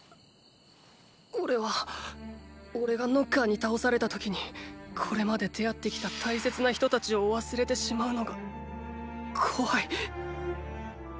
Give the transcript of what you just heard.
おれはおれがノッカーに倒された時にこれまで出会ってきた大切な人たちを忘れてしまうのが怖い。